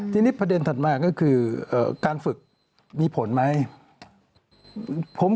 ทีนี้ประเด็นถัดมาก็คือการฝึกมีผลไหม